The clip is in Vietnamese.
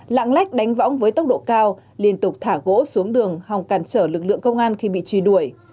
các đối tượng thường lén nút sử dụng xe độ cao liên tục thả gỗ xuống đường hòng cản trở lực lượng công an khi bị truy đuổi